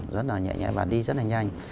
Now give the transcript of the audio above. rất là nhẹ nhẹ và đi rất là nhanh